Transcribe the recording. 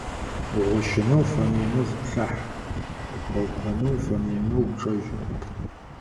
Угъощэнэу уфэмыемэ, зыплъахь, ухэукъонэу уфэмыемэ, упчӏэжь.